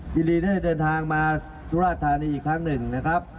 ยินดีได้เดินทางมาสุราธานีอีกครั้งหนึ่งนะครับ